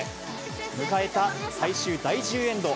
迎えた最終第１０エンド。